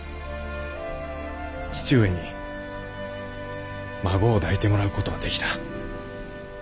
義父上に孫を抱いてもらう事ができた。